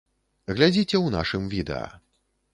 Глядзіце ў нашым відэа.